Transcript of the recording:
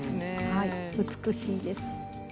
はい美しいです。